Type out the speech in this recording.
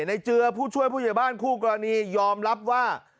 เจือผู้ช่วยผู้ใหญ่บ้านคู่กรณียอมรับว่า